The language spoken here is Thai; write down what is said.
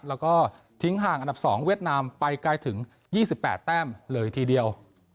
แล้วก็ทิ้งห่างอันดับสองเวียดนามไปใกล้ถึงยี่สิบแปดแต้มเลยทีเดียว